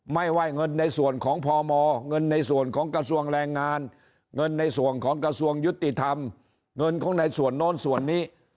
ไม่ว่าเงินในส่วนของพมเงินในส่วนของกระทรวงแรงงานเงินในส่วนของกระทรวงยุติธรรมเงินของในส่วนโน้นส่วนนี้